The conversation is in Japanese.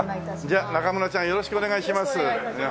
じゃあ中村ちゃんよろしくお願いします。